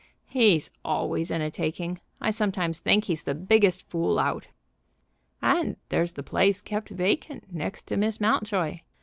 "He's always in a taking. I sometimes think he's the biggest fool out." "And there's the place kept vacant next to Miss Mountjoy.